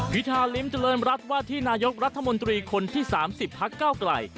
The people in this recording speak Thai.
พิธาริมเจริญรัฐว่าที่นายกรัฐมนตรีคนที่๓๐พักเก้าไกล